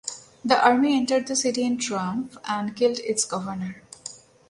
The army entered the city in triumph and killed its governor.